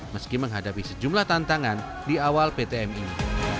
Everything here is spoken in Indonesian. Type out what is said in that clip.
meski menghadapi sejumlah tantangan di awal ptm ini